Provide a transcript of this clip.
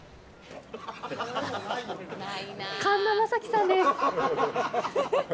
神田正輝さんです。